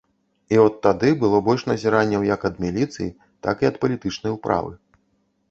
І от тады было больш назіранняў як ад міліцыі, так і ад палітычнай управы.